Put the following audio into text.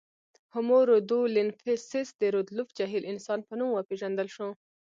هومو رودولفنسیس د رودولف جهیل انسان په نوم وپېژندل شو.